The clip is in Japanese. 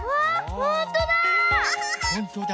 ほんとだ。